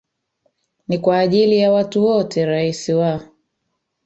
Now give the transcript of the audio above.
ni kwa ajili ya watu wote Rais wa